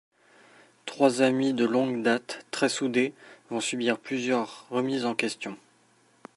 Trois amis de longue date, très soudés, vont subir plusieurs remises en question.